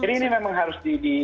ini memang harus